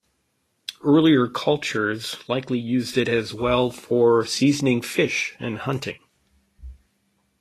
Earlier cultures likely used it as well for seasonal fishing and hunting.